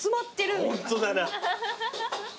ホントだな。